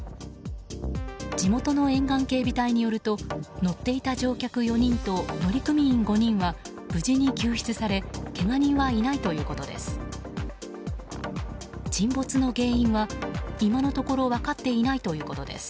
地元の沿岸警備隊によると乗っていた乗客４人と乗組員５人は無事に救出されけが人はいないということです。